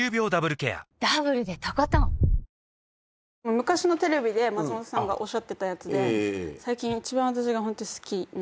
昔のテレビで松本さんがおっしゃってたやつで最近一番私が好きな